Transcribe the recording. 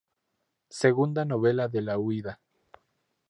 Segunda novela de la huida".